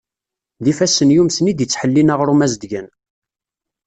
D ifassen yumsen i d-yettḥellin aɣrum azedgan.